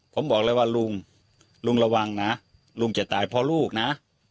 ผมบอกเลยว่าลุงลุงระวังนะลุงจะตายเพราะลูกนะ